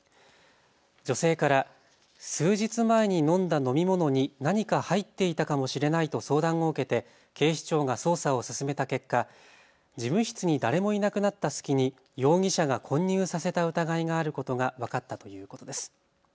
女性から数日前に飲んだ飲み物に何か入っていたかもしれないと相談を受けて警視庁が捜査を進めた結果、事務室に誰もいなくなった隙に容疑者が混入させた疑いがあることが分かったということです。